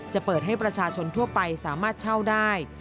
จะเปิดให้ประชาชนทั่วไปสามารถเช่าได้